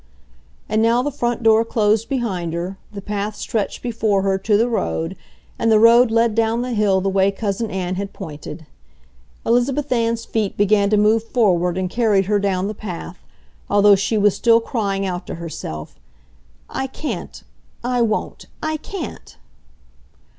And now the front door closed behind her, the path stretched before her to the road, and the road led down the hill the way Cousin Ann had pointed. Elizabeth Ann's feet began to move forward and carried her down the path, although she was still crying out to herself, "I can't! I won't! I can't!"